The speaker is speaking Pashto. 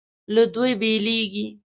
له دوی بېلېږي.